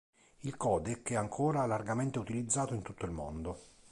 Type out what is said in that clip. Il codec è ancora largamente utilizzato in tutto il mondo.